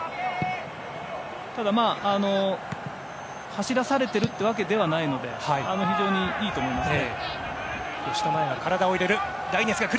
ただ、まあ走らされてるわけではないので非常にいいと思いますね。